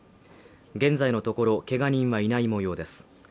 現在のところ、けが人はいないもようです。